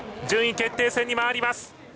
順位決定戦に回ります。